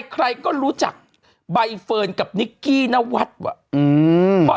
ใครก็รู้จักใบเฟิร์นกับนิกกี้นวัดว่ะ